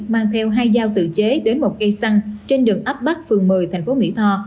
mang theo hai dao tự chế đến một cây xăng trên đường ấp bắc phường một mươi thành phố mỹ tho